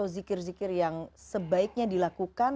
zikir zikir yang sebaiknya dilakukan